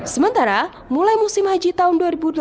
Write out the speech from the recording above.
sementara mulai musim haji tahun dua ribu dua puluh